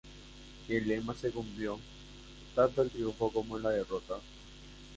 Y el lema se cumplió, tanto en el triunfo como en la derrota.